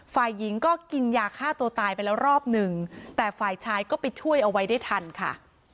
ฝ่ายหญิงก็กินยาฆ่าตัวตายไปแล้วรอบหนึ่งแต่ฝ่ายชายก็ไปช่วยเอาไว้ได้ทันค่ะ